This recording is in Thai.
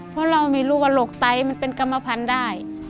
เพราะเราไม่รู้ว่าโรคไตมันเป็นกรรมพันธุ์ได้